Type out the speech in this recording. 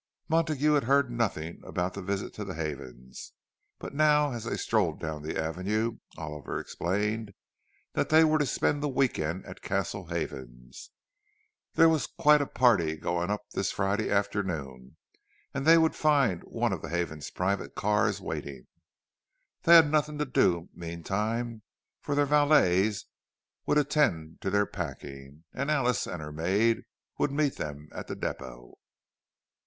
Montague had heard nothing about the visit to the Havens's; but now, as they strolled down the Avenue, Oliver explained that they were to spend the weekend at Castle Havens. There was quite a party going up this Friday afternoon, and they would find one of the Havens's private cars waiting. They had nothing to do meantime, for their valets would attend to their packing, and Alice and her maid would meet them at the depot.